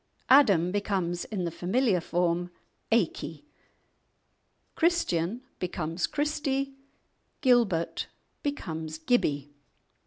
"Adam" becomes, in the familiar form, "Aicky," "Christian" becomes "Christy," "Gilbert" becomes "Gibby."